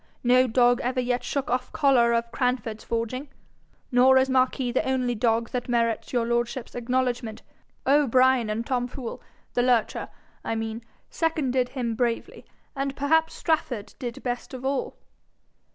No dog ever yet shook off collar of Cranford's forging; nor is Marquis the only dog that merits your lordship's acknowledgment: O'Brien and Tom Fool the lurcher, I mean seconded him bravely, and perhaps Strafford did best of all.'